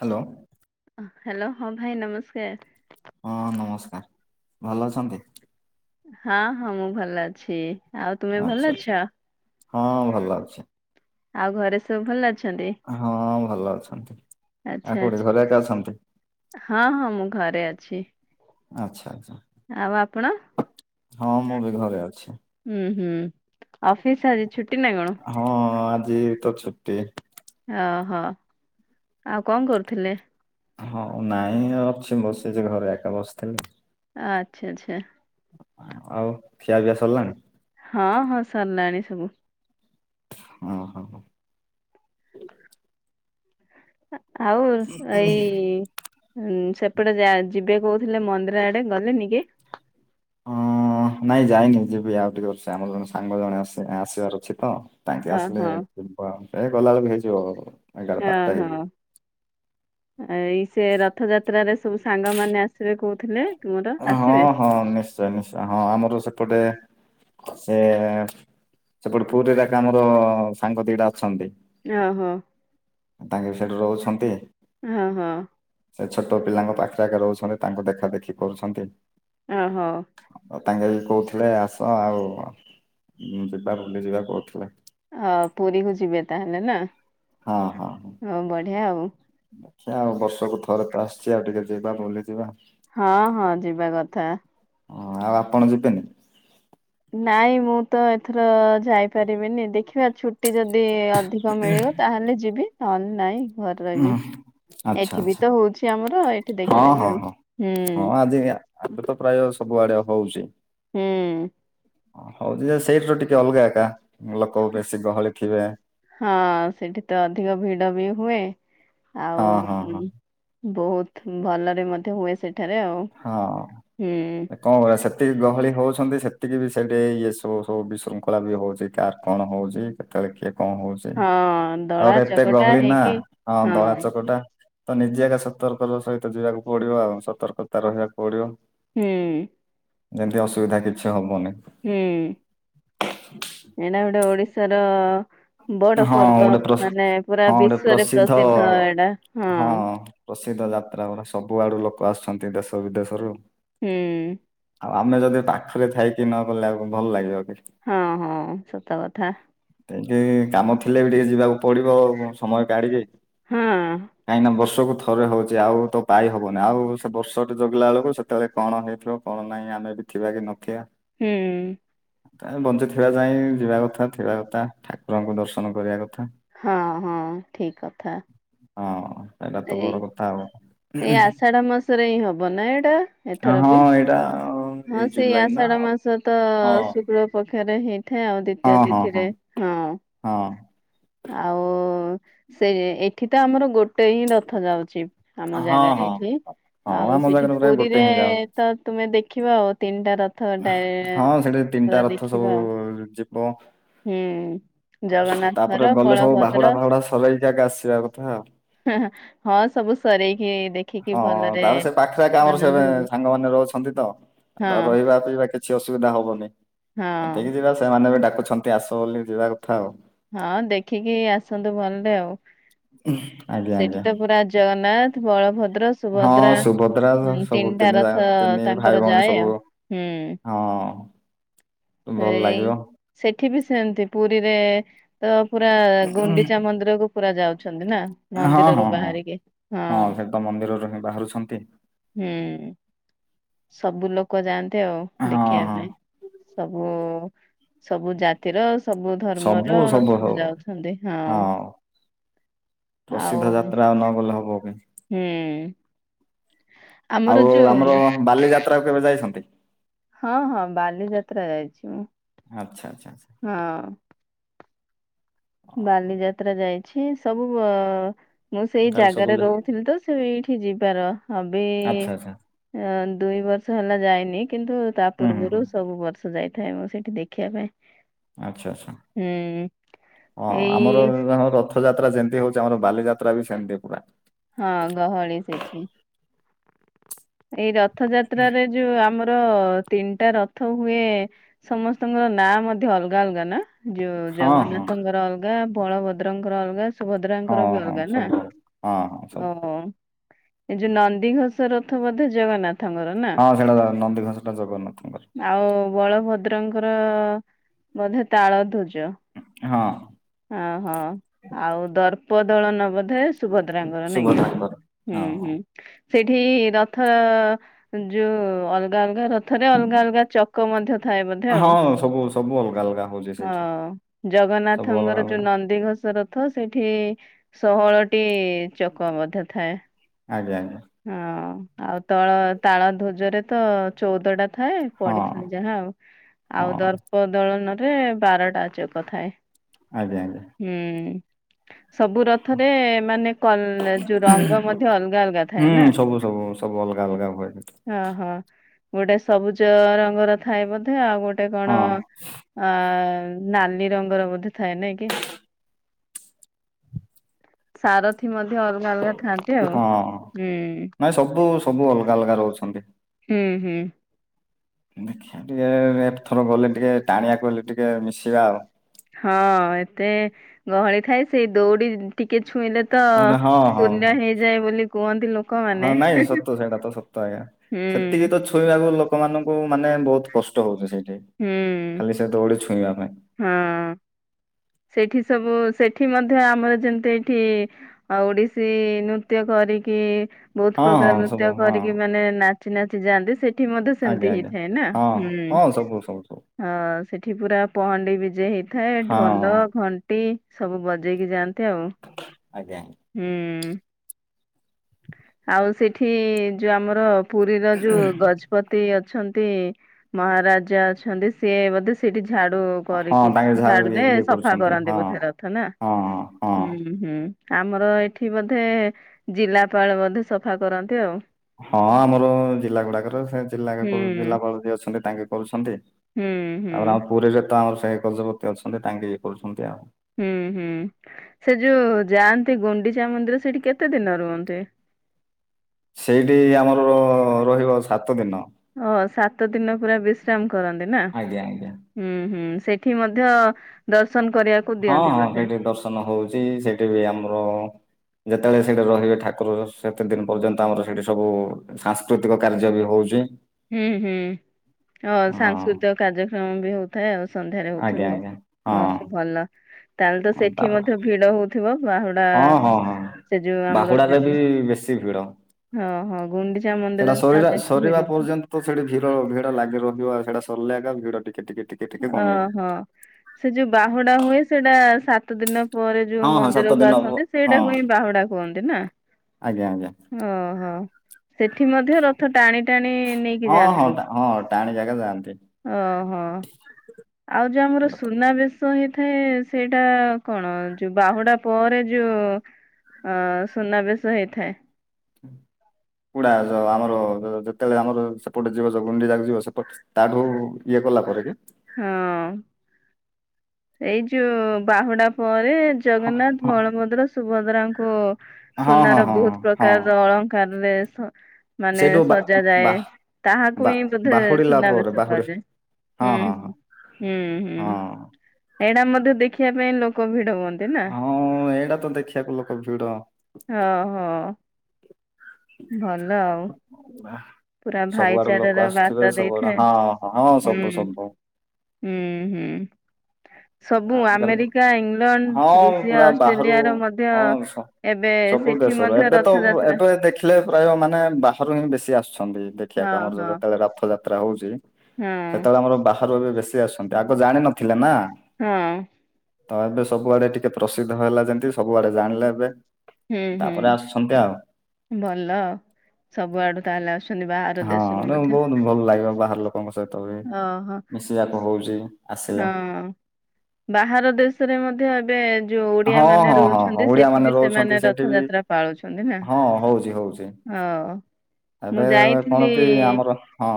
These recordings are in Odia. ହ୍ୟାଲୋ। ହ୍ୟାଲୋ ହଁ ଭାଇ ନମସ୍କାର। ହଁ ନମସ୍କାର ଭଲ ଅଛନ୍ତି? ହଁ ହଁ ମୁଁ ଭଲ ଅଛି। ଆଉ ତୁମେ ଆଚ୍ଛା ଭଲ ଆଚ୍ଛା ଅଛ? ହଁ ହୁଁ। ଭଲ ଅଛି। ଆଉ ଘରେ ସବୁ ଭଲ ଅଛନ୍ତି? ହଁ ଭଲ ଅଛନ୍ତି। ଆଚ୍ଛା ଆଉ କୋଉଠି ଆଚ୍ଛା ଘରେ ଏକା ଅଛନ୍ତି? ହଁ ହଁ ମୁଁ ଘରେ ଅଛି। ଆଚ୍ଛା ଆଚ୍ଛା। ଆଉ ଆପଣ? ହଁ ମୁଁ ବି ଘରେ ଅଛି ହୁଁ ହୁଁ ଅଫିସ୍ ଆଜି ଛୁଟି ନା କଣ? ହଁ ଆଜି ତ ଛୁଟି। ଅହ ଆଉ କ କରୁଥିଲେ? ହଁ ନାଇଁ ଅଛି ବସିଛି ଘରେ ଏକା ବସିଥିଲି। ଆଚ୍ଛା ଆଚ୍ଛା ଆଚ୍ଛା। ଆଉ ଖିଆ ପିଆ ସରିଲାଣି? ହଁ ହଁ ସରିଲାଣି ସବୁ। ହଁ ହଁ ହଁ। ଆଉ ଏଇ ଉଁ ସେପଟେ ଯା ଯିବେ କହୁଥିଲେ ମନ୍ଦିର ଆଡେ ଗଲେନି କି? ଅଁ ନାଇଁ ଯାଇନି ଯିବି ଆଉ ଟିକେ ଅସିକି ଆମର ଜଣେ ସାଙ୍ଗ ଜଣେ ଆସି ଆସିବାର ଅଛି ତ? ତାଙ୍କେ ହଁ ଆସିଲେ ହଁ ଏ ଗଲାବେଳକୁ ହେଇଯିବ ଏଗାର ହଁ ବାରଟା ହଁ ହେଇଯିବ। ଏଇ ସେ ରଥଯାତ୍ରାରେ ସବୁ ସାଙ୍ଗମାନେ ଆସିବେ କହୁଥିଲେ। ତୁମର ହଁ ଆସିବେ ହଁ ନିଶ୍ଚୟ ନିଶ୍ଚୟ ହଁ ଆମର ସେପଟେ ସେ ସେପଟେ ପୁରୀରେ ଆକ ଆମର ସାଙ୍ଗ ଦିଟା ଅଛନ୍ତି। ଅହୋ। ତାଙ୍କର ସେଠି ରହୁଛନ୍ତି। ହଁ ହଁ। ସେ ଛୋଟ ପିଲାଙ୍କ ପାଖେ ପାଖେ ରହୁଛନ୍ତି ତାଙ୍କୁ ଦେଖା ଦେଖି କରୁଛନ୍ତି। ଅହୋ ତାଙ୍କେ ବି କହୁଥିଲେ ଆସ ଆଉ ଯିବା ବୁଲି ଯିବା କହୁଥିଲେ। ଅ ପୁରୀକୁ ଯିବେ ତାହେଲେ ନା ହଁ ହଁ ହଉ ବଢିଆ ଆଉ। ଦେଖିଆ ଆଉ ବର୍ଷକୁ ଥରେ ତ ଆସିଛି ଆଉ ଟିକେ ଯିବା ବୁଲିଯିବା। ହଁ ହଁ ଯିବା କଥା। ହଁ ଆଉ ଆପଣ ଯିବେନି? ନାଇଁ ମୁଁ ତ ଏଥର ଯାଇପାରିବିନି ଦେଖିବା ଛୁଟି ଯଦି ଅଧିକ ମିଳିବ ତାହେଲେ ଯିବି ନହେଲେ ନାଇଁ ଘରେ ହୁଁ ରହିବି। ଆଚ୍ଛା ଏଠି ବି ଆଚ୍ଛା ତ ହଉଛି ଆମର ଏଠି ହଁ ଦେଖିଦେବି ହଁ ହୁଁ। ହଁ ହଁ ଆଜି ଏବେ ତ ପ୍ରାୟ ସବୁଆଡେ ହଉଚି। ହୁଁ। ହଉଛି ଯେ ସେଇଠୁର ଟିକେ ଅଲଗା ଏକା। ଲୋକ ବେଶୀ ଗହଳି ଥିବେ। ହଁ ସେଠି ତ ଅଧିକ ଭିଡ ବି ହୁଏ। ହଁ ଆଉ ହଁ ହଁ ବହୁତ ଭଲରେ ମଧ୍ୟ ହୁଏ ସେଠାରେ ଆଉ ହଁ। ହୁଁ। କଣ କରିଆ ସେତିକି ଗହଳି ହଉଛନ୍ତି ସେତିକି ବି ସେଇଠି ଇଏ ସବୁ ସବୁ ବିଶୃଙ୍ଖଳା ବି ହଉଛି କାର କଣ ହଉଛି କେତେବେଳେ କିଏ କଣ ହଉଛି। ହଁ ଦଳା ଆଉର ଏତେ ଚକଟା ଗହଳି ନା, ହେଇକି ହଁ ଦଳା ଚକଟା ତ ନିଜେ ଏକା ସତର୍କର ସହିତ ଯିବାକୁ ପଡିବ ଆଉ ସତର୍କତା ରହିବାକୁ ପଡିବ। ହୁଁ। ଯେନ୍ତି ଅସୁବିଧା କିଛି ହବନି। ହୁଁ। ଏଟା ଗୋଟେ ଓଡିଶାର ହଁ ବଡପର୍ବ, ଗୋଟେ ପ୍ରସି ମାନେ ପୁରା ହଁ ଗୋଟେ ବିଶ୍ୱରେ ପ୍ରସିଦ୍ଧ ଏଇଟା। ହଁ। ପ୍ରସିଦ୍ଧ ଯାତ୍ରା ପରା, ସବୁ ଆଡୁ ଲୋକ ଆସୁଛନ୍ତି ଦେଶ ବିଦେଶରୁ। ହୁଁ। ଆଉ ଆମେ ଯଦି ପାଖରେ ଥାଇକି ନ ଗଲେ ଆଉ କଣ ଭଲ ଲାଗିବ କି। ହଁ ହଁ, ସତ କଥା। [unintelligible] କାମ ଥିଲେ ବି ଟିକେ ଯିବାକୁ ପଡିବ, ସମୟ କାଢିବେ? ହଁ। କାହିଁକି ନା ବର୍ଷକୁ ଥରେ ହଉଛି ଆଉ ତ ପାଇ ହବନି, ଆଉ ସେ ବର୍ଷଟେ ଜଗିଲା ବେଳକୁ ସେ [unintelligible] କଣ ହେଇଥିବ କଣ ନାହିଁ ଆମେ ବି ଥିବା କି ନଥିବା। ହୁଁ। ବଞ୍ଚିଥିବା ଯାଏଁ ଯିବା କଥା, ଥିବା କଥା ଠାକୁରଙ୍କୁ ଦର୍ଶନ କରିବା କଥା। ହଁ ହଁ ଠିକ୍ କଥା। ହଁ ଏଇଟା ତ ଏଇ ବଡ କଥା ଆଉ। ଏଇ ଆଷାଢ ମାସରେ ହିଁ ହବ ନା ଏଇଟା। ଏଥର ହଁ। ବି ଏଇଟା ହଁ ଏଇ ସେଇ ଜୁଲାଇ ନା ଆଷାଢ ମାସ ତ ହଁ ଶୁକ୍ଳ ପକ୍ଷରେ ହେଇଥାଏ ଆଉ ଦ୍ଵିତୀୟ ହଁ ହଁ ତିଥିରେ। ହଁ। ହଁ ଆଉ ସେ ଏଠି ତ ଆମର ଗୋ ଗୋଟେହିଁ ରଥ ଯାଉଛି, ଆମ ହଁ ଜାଗାରେ ହଁ ଏଠି। ହଁ ଆଉ ଆମ ସେଠି ଜାଗାରେ ପ୍ରାୟ ଗୋଟେ ପୁରୀରେ ହିଁ ଯାଉଛି ତ ତୁମେ ଦେଖିବ ଆଉ ତିନିଟା ର ହଁ, ସେଠି ତିନିଟା ରଥ ସବୁ ଆଉ ଯିବ। ହୁଁ ତାପରେ ଜଗନ୍ନାଥଙ୍କର ଗଲେ ସବୁ ବାହୁଡା ବଳଭଦ୍ର ଫାହୁଡା ସରେଇ ଆଗେ ଆସିବା କଥା ଆଉ। ହଁ ସବୁ ସରେଇକି ଦେ ହଁ ତା ପରେ ସେ ପାଖପାଖି ଆମର ହୁଅନ୍ତୁ। [unintelligible] ସାଙ୍ଗମାନେ ରହୁଛନ୍ତି ତ, ହଁ ରହିବା ପିଇବା କି କିଛି ଅସୁବିଧା ହବନି। ହଁ ଏତିକି ଯିବା ସେମାନେ ବି ଡାକୁଛନ୍ତି ଆସ ବୋଲି, ଯିବା କଥା ଆଉ। ହଁ ଦେଖିକି ଆସନ୍ତୁ ଭଲରେ ଆଉ। ଆଜ୍ଞା ସେଠି ଆଜ୍ଞା। ତ ପୁରା ଜଗନ୍ନାଥ ବଳଭଦ୍ର ହଁ ସୁଭଦ୍ରା ସୁଭଦ୍ରା, ଉଁ, ସବୁ ତିନିଟା ତିନି ରଥ [unintelligible] ତିନି ଭାଇ ତାଙ୍କର ଭଉଣୀ ଯାଏ ସବୁ ଆଉ ହୁଁ। ହଁ, ଭଲ ଏଇ ଲାଗିବ। ସେଠି ବି ସେମତି, ପୁରୀରେ ତ ପୁରା ଗୁଣ୍ଡିଚା ମନ୍ଦିରକୁ ପୁରା ଯାଉଛନ୍ତି ନା ହଁ ମନ୍ଦିରରୁ ହଁ ହଁ ବାହାରିକି। ହଁ। ସେ ତ ମନ୍ଦିରରୁ ହିଁ ବାହାରୁଛନ୍ତି ହୁଁ, ସବୁ ଲୋକ ଯାଆନ୍ତି ଆଉ, ହଁ ଦେଖିବା ହଁ। ପାଇଁ। ସବୁ ସବୁ ଜାତିର ସବୁ ଧର୍ମର [unintelligible] ସବୁ ଯାଉଛନ୍ତି। ହଁ, ପ୍ରସିଦ୍ଧ ଆଉ [unintelligible] ହୁଁ। ଆମର ଆଉ ଯୋଉ ଆମର ବାଲିଯାତ୍ରାକୁ କେବେ ଯାଇଛନ୍ତି? ହଁ ହଁ, ବାଲିଯାତ୍ରା ଯାଇଛି। ଆଚ୍ଛା ଆଚ୍ଛା ଆଚ୍ଛା ହଁ। ବାଲିଯାତ୍ରା ଯାଇଛି। ସବୁ ମୁଁ ସେଇ ତାହେଲେ ସବୁ ଜାଗାରେ ରହୁଥିଲି ତ ଏଇଠି ଯିବାର, ଆଚ୍ଛା ଆଚ୍ଛା [unintelligible] ଦୁଇ ବର୍ଷ ହେଲା ଯାଇନି। କିନ୍ତୁ ତା ହୁଁ ହୁଁ ହୁଁ। ପୂର୍ବରୁ ସବୁ ବର୍ଷ ଯାଇଥାଏ ମୁଁ ସେଠି ଦେଖିବା ପାଇଁ। ଆଚ୍ଛା ଆଚ୍ଛା ହୁଁ ହଁ ଆମର ଏଇ ରଥ ରଥ ଯାତ୍ରା ଯେମିତି ହଉଛି ଆମ ବାଲିଯାତ୍ରା ବି ସେମତି ପୁରା। ହଁ ଗହଳି ସେଇଠି। ଏଇ ରଥ ଯାତ୍ରାରେ ଯୋଉ ଆମର ତିନିଟା ରଥ ହୁଏ ସମସ୍ତଙ୍କର ନାଁ ମଧ୍ୟ ଅଲଗା ଅଲଗା ନା? ଯୋଉ ହଁ ହଁ ଜଗନ୍ନାଥଙ୍କର ଅଲଗା ବଳଭଦ୍ରଙ୍କର ଅଲଗା ହଁ ସୁଭଦ୍ରାଙ୍କର ବି ହଁ ଅଲଗା ନା? ସବୁ ହଁ ହଁ ସବୁ ଓହୋ। ଏ ଯୋଉ ନନ୍ଦିଘୋଷ ରଥ ବୋଧେ ଜଗନ୍ନାଥଙ୍କର? ନା ହଁ ସେଇଟା ଜ ନନ୍ଦିଘୋସଟା ଜଗନ୍ନାଥଙ୍କର। ଆଉ ବଳଭଦ୍ରଙ୍କର ବୋଧେ ତାଳ ଧ୍ୱଜ? ଆଜ୍ଞା ହଁ। ଓହୋ ଆଉ ଦର୍ପ ଦଳନ ବୋଧେ ସୁଭଦ୍ରାଙ୍କର ନାଇଁକି? ସୁଭଦ୍ରାଙ୍କର ହୁଁ ହଁ ହୁଁ। ସେଇଠି ରଥ ଯୋଉ ଅଲଗା ଅଲଗା ର ଥରେ ଅଲଗା ଅଲଗା ଚକ ମଧ୍ୟ ଥାଏ ବୋଧେ? ଆଉ ହଁ ସବୁ ସବୁ ଅଲଗା ଅଲଗା ହଉଛି ସେଠି ହଁ ସବୁ ଅଲଗା ଜଗନ୍ନାଥଙ୍କର ଯୋଉ ଅଲଗା ନ ନନ୍ଦିଘଷ ରଥ ସେଠି ଷୋହଳଟି ଚକ ମଧ୍ୟ ଥାଏ। ଆଜ୍ଞା। ହଁ ଆଉ ତଳ ତାଳ ଧ୍ୱଜରେ ତ ଚଉଦ ଟା ଥାଏ। ହଁ ପଢିଥିଲି ଯାହା ଆଉ। ଆଉ ହଁ ଦର୍ପ ଦୋଳନ ରେ ବାରଟା ଚକ ଥାଏ। ଆଜ୍ଞା ଆଜ୍ଞା। ହୁଁ ସବୁ ର ଥରେ ମାନେ କଲ ଯୋଉ ରଙ୍ଗ ମଧ୍ୟ ଅଲଗା ଅଲଗା ଥାଏ। ହୁଁ ନା? ସବୁ ସବୁ ସବୁ ଅଲଗା ଅଲଗା ହୁଏ ସେଠି। ହଁ ହଁ ଗୋଟେ ସବୁଜ ରଙ୍ଗର ଥାଏ ବୋଧେ। ଆଉ ଗୋ ଗୋଟେ କଣ ହଁ ଅ ନାଲି ରଙ୍ଗର ବୋଧେ ଥାଏ। ନାଇଁ କି? ସାରଥି ମଧ୍ୟ ଅଲଗା ଅଲଗା ଥାଆନ୍ତି ଆଉ। ହଁ ହୁଁ ନାଇଁ ସବୁ ସବୁ ଅଲଗା ଅଲଗା ରହୁଛନ୍ତି। ହୁଁ ହୁଁ। ଦେଖିବା ଟିକେ ଏଥର ଗଲେ ଟିକେ ଟାଣିବାକୁହିଲେ ଟିକେ ମିଶିବା ଆଉ। ହଁ ଏତେ ଗହଳି ଥାଏ ସେଇ ଦୌଡି ଟିକେ ଛୁଇଁଲେ ତ ଆଉ ହଁ ହଁ ହଁ ପୁଣ୍ୟ ହେଇଯାଏ ବୋଲି କୁହନ୍ତି ହଁ ଲୋକମାନେ। ହୁଁ ଏତିକିତ ଛୁଇଁବାକୁ ଲୋକମାନଙ୍କୁ ମାନେ ବହୁତ କଷ୍ଟ ହଉଚି ସେଇଠି। ହୁଁ ଖାଲି ସେ ଦଉଡି ଛୁଇଁବା ପାଇଁ ହଁ ସେଠି ସବୁ ସେଠି ମଧ୍ୟ ଆମର ଯେମିତି ଏଇଠି ଆଉ ଓଡିଶୀ ନୃତ୍ୟ କରିକି ବହୁତ ହଁ ପ୍ରକାର ହଁ ସବୁ ନୃତ୍ୟ ହଁ କରିକି ମାନେ ନାଚି ନାଚି ଯାଆନ୍ତି ସେ ଏଠି ମଧ୍ୟ ସେମିତି ଆଜ୍ଞା ଆଜ୍ଞା ହେଇଥାଏ ନା ହଁ ହୁଁ। ହଁ ସବୁ ସବୁ ସବୁ ହଁ ସେଠି ପୁରା ପହଣ୍ଡି ବିଜେ ହେଇଥାଏ ଢଲ ହଁ ଘଣ୍ଟି ସବୁ ବଜେଇକି ଯାଆନ୍ତି ଆଉ। ଆଜ୍ଞା ହୁଁ ଆଉ ସେଠି ଯୋଉ ଆମର ପୁରୀର ଯୋଉ ଗ ପତି ଅଛନ୍ତି ମହାରାଜା ଅଛନ୍ତି ସିଏ ବୋଧେ ସେଇଠି ଝାଡୁ ହଁ କରିକି ତାଙ୍କେ ଯାହା ଇଏ ଝାଡୁରେ ଇଏ ସଫା କରୁଛନ୍ତି କରନ୍ତି ହଁ ବୋଧେ ରଥ ନା ହଁ ହଁ ହୁଁ-ହୁଁ। ହୁଁ-ହୁଁ ଆମର ଏଠି ବୋଧେ ଜିଲ୍ଲାପାଳ ବଧେ ସଫା କରନ୍ତି ଆଉ। ହଁ ଆମର ଜିଲ୍ଲା ଗୁଡାକର ସେ ଜିଲ୍ଲା ହୁଁ ଜିଲ୍ଲାପାଳ ଯିଏ ଅଛନ୍ତି ତାଙ୍କେ କରୁଛନ୍ତି। ତାପରେ ହୁଁ-ହୁଁ। ଆମ ପୁରୀରେ ତ ଆମର ସେ ଗଜପତି ଅଛନ୍ତି ତାଙ୍କେ ଇଏ କରୁଛନ୍ତି ଆଉ। ହୁଁ-ହୁଁ ସେ ଯୋଉ ଯାଆନ୍ତି ଗୁଣ୍ଡିଚା ମନ୍ଦିର ସେଇଠି କେତେ ଦିନ ରୁହନ୍ତି? ସେଇଠି ଆମର ରହିବ ସାତ ଦିନ। ହଁ ସାତ ଦିନ ପୁରା ବିଶ୍ରାମ କରନ୍ତି। ଆଜ୍ଞା-ଆଜ୍ଞା। ହୁଁ-ହୁଁ ସେଠି ମଧ୍ୟ ଦର୍ଶନ କରିବା ହଁ-ହଁ ସେଇଠି ଦର୍ଶନ ହଉଚି ସେଇଠି ବି ଆମର ଯେତବେଳେ ସେଇଠି ରହିବେ ଠାକୁର ସେତେ ଦିନ ପର୍ଯ୍ୟନ୍ତ ଆମର ସେଇଠି ସବୁ ସାଂସ୍କୃତିକ କାର୍ଯ୍ୟ ବି ହଉଛି। ହୁଁ-ହୁଁ ହ ହଁ ସାଂସ୍କୃତିକ କାର୍ଯ୍ୟକ୍ରମ ବି [unintelligible] ଥାଏ ଆଉ ସନ୍ଧ୍ୟାରେ ଆଜ୍ଞା ହଉଥିବେ ଆଜ୍ଞା ଆଉ ହଁ ଭଲ। ତାହାଲେ ତ ହଁ ସେଠି ତାପରେ ମଧ୍ୟ ଭିଡ ହଉଥିବ ବାହୁଡା ହଁ ହଁ ହଁ ସେ ଯୋଉ ଆମର ବାହୁଡ଼ାରେ ବି [unintelligible] ବେଶୀ ଭିଡ଼ ହଁ-ହଁ ଗୁଣ୍ଡିଚା ସେଇଟା ମନ୍ଦିର ସରିଲା [unintelligible] ସରିବା ପର୍ଯ୍ୟନ୍ତ ତ ସେଠି ଭିଡ଼-ଭିଡ଼ ଲାଗି ରହିବ ଆଉ ସେଟା ସରିଲା ଏକା ଭିଡ ଟିକେ-ଟିକେ-ଟିକେ ହଁ-ହଁ ସେ ଯୋଉ ବାହୁଡା ହୁଏ ସେଇଟା ସାତ ଦିନ ପରେ ଯୋଉ ହଁ ହଁ ସାତ ମନ୍ଦିରକୁ ଦିନ ହବ ଆସନ୍ତି ହଁ ସେଇଟାକୁ ହିଁ ବାହୁଡା କୁହନ୍ତି ନା? ଆଜ୍ଞା ଆଜ୍ଞା ଓହୋ ସେଠି ମଧ୍ୟ ରଥ ଟାଣି-ଟାଣି ନେଇକି ଯାଆନ୍ତି ବୋଧେ। ହଁ-ହଁ-ହଁ ଟାଣି ଜାଗା ଯାଆନ୍ତି। ଓହୋ। ଆଉ ଯୋଉ ଆମର ସୁନାବେେଶ ହେଇଥାଏ ସେଇଟା କଣ ଯୋଉ ବାହୁଡା ପରେ ଯୋଉ ଅ ସୁନାବେଶ ହେଇଥାଏ କୁଡା ଯ ଆମର ଯେତେବେଳେ ଆମର ସେପଟେ ଯିବ ଯ ଗୁଣ୍ଡି ଯାକ ଯିବ ସେପଟ ତାଠୁ ଇଏ କଲା ପରେ କି। ହଁ। ଏଇ ଯୋଉ ବାହୁଡା ପରେ ଜଗନ୍ନାଥ, ହଁ ବଳଭଦ୍ର, ସୁଭଦ୍ରାଙ୍କୁ ହଁ ହଁ ସୁନାର ହଁ ବହୁତ୍ ହଁ ପ୍ରକାରର ଅଳଙ୍କାରରେ ମାନେ ସେଇଠୁ ବା ସଜା ବା ଯାଏ ତାହାକୁ ବା ହିଁ ବୋଧେ ବାହୁଡିଲା ପରେ ସୁନାବେଶ ବାହୁଡି କୁହାଯାଏ। ହଁ ହଁ ହୁଁ-ହୁଁ ହଁ ହୁଁ-ହୁଁ ଏଇଟା ମଧ୍ୟ ଦେଖିବା ପାଇଁ ଲୋକ ଭିଡ ହୁଅନ୍ତି। ନା। ହଁ ଏଇଟା ତ ଦେଖିବାକୁ ଲୋକ ଭିଡ। ହଁ-ହଁ। ଭଲ ଆଉ। ପୁରା ସବୁଆଡୁ ଭାଇଚାରାର ଲୋକ ବାର୍ତ୍ତା ଆସିଥିବେ ସବୁଆଡ ଦେଇଥାଏ। ହାଁ ହଁ ସବୁ-ସବୁ ହୁଁ-ହୁଁ। ସବୁ ଆଜିକାଲି ଆମେରିକା, ହଁ ଇଂଲଣ୍ଡ, ଋଷିଆ, ପୁରା ବାହାରୁ ଅଷ୍ଟ୍ରେଲିଆର ମଧ୍ୟ ହଁ ସ- ଏବେ ସେଠି ମଧ୍ୟ ରଥଯାତ୍ରା। ଥିଲେ ପ୍ରାୟ ମାନେ ବାହାରୁ ହିଁ ବେଶୀ ଆସୁଛନ୍ତି ଦେଖିବାକୁ ହଁ ଆମର ହଁ ଯେତେବେଳେ ରଥଯାତ୍ରା ହଉଚି ହଁ ସେତେବେଳେ ଆମର ବାହାରୁ ଏବେ ବେଶୀ ଆସୁଛନ୍ତି ଆଗ ଜାଣିନଥିଲେ ନା। ହଁ। ତ ଏବେ ସବୁଆଡେ ଟିକେ ପ୍ରସିଦ୍ଧ ହେଲା ଯେମତି ସବୁଆଡେ ଜାଣିଲେ ଏବେ ହୁଁ ତାପରେ ହୁଁ ଆସୁଛନ୍ତି ଆଉ। ଭଲ ସବୁଆଡୁ ତାହେଲେ ଆସୁଛନ୍ତି ବା। ହଁ ବହୁତ ଭଲ ଲାଗିବ ବାହାର ଲୋକଙ୍କ ସହିତ ବି ଓହୋ ମିଶିବାକୁ ହଉଛି। ଆସିଲେ। ହଁ। ବାହାର ଦେଶରେ ମଧ୍ୟ ଏବେ ଯୋଉ ହଁ ଓଡିଆ ମାନେ ହଁ ହଁ ହଁ ରହୁଛନ୍ତି ଓଡିଆ ସେଠି ମାନେ ବି ରହୁଛନ୍ତି ସେମାନେ ସେଇଠି ବି ରଥଯାତ୍ରା ପାଳୁଛନ୍ତି ନା? ହଁ ହଉଛି ହଉଛି। ହଁ। ଏବେ ଆପଣ କଣ କି ଆମର ହଁ।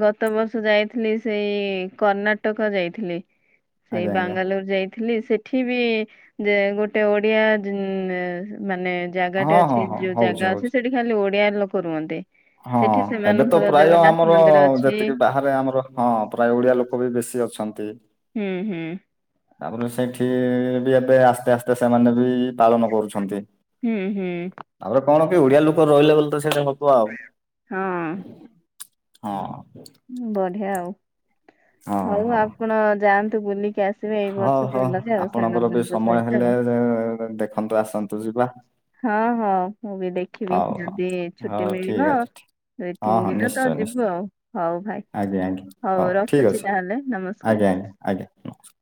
ଗତ ବର୍ଷ ଯାଇଥିଲି ସେଇ କର୍ଣ୍ଣାଟକ ଯାଇଥିଲି। ସେଇ ଆଜ୍ଞା ଆଜ୍ଞା ବାଙ୍ଗାଲୋର ଯାଇ ଥିଲି ସେଠି ବି ଯେ ଗୋଟେ ଓଡିଆ ମାନେ ଜାଗାଟେ ହଁ ହଁ ଅଛି ହଁ ଯୋଉ ହଉଛି ଜାଗା ଅଛି ହଉଛି। ସେଠି ଖାଲି ଓଡିଆ ଲୋକ ରୁହନ୍ତି। ହଁ ସେଠି ଏବେ ତ ସେମାନଙ୍କର ପ୍ରାୟ ଜଗନ୍ନାଥ ଆମର ମନ୍ଦିର ଅଛି ଯେତିକି ବାହା ଆମର ହଁ ପ୍ରାୟ ଓଡିଆ ଲୋକ ବି ବେଶୀ ଅଛନ୍ତି। ହୁଁ ହୁଁ। ତାପରେ ସେଇଠି ବି ଏବେ ଆସ୍ତେ ଆସ୍ତେ ସେମାନେ ବି ପାଳନ କରୁଛନ୍ତି। ହୁଁ ହୁଁ। ତାପରେ କଣ କି ଓଡିଆ ଲୋକ ରହିଲେ ବୋଲି ତ ସେମିତି ହବ ଆଉ? ହଁ। ହଁ। ବଢିଆ ଆଉ ହଁ ହଉ ହଁ ଆପଣ ଯାଆନ୍ତୁ ବୁଲିକି ଆସିବେ ଏଇ ହଁ ବର୍ଷ ହଉ ଭଲରେ ଆଉ ଆପଣଙ୍କର ବି ସାଙ୍ଗମାନଙ୍କ ସମୟ ସହିତ ହେଲେ ଆଉ ଦେଖନ୍ତୁ ଆସନ୍ତୁ ଯିବା। ହଁ ହଁ ମୁଁ ବି ଦେଖିବି ହଉ ହଉ। ଯଦି ଛୁଟି ହଉ ଠିକ୍ ମିଳିବ ଅଛି ଦୁଇ ହଁ ତିନି ହଁ ଦିନ ତ ନିଶ୍ଚୟ ଯିବୁ ନିଶ୍ଚୟ ଆଉ ହଉ ଭାଇ ଆଜ୍ଞା ଆଜ୍ଞା ହଉ ଠିକ୍ ରଖୁଛି ଅଛି ତାହେଲେ ଆଜ୍ଞା ଆଜ୍ଞା ନମସ୍କାର। ଆଜ୍ଞା ନମସ୍କାର।